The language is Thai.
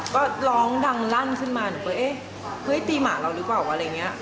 ก็ร้องดังลั่นขึ้นมาหนูก็เอ๊ะเฮ้ยตีหมาเราหรือเปล่าอะไรอย่างนี้